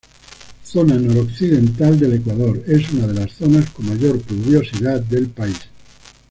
Zona noroccidental del Ecuador, es una de la zonas con mayor pluviosidad del país.